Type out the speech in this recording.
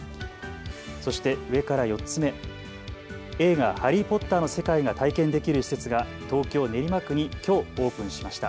そして上から４つ目、映画、ハリー・ポッターの世界が体験できる施設が東京練馬区にきょうオープンしました。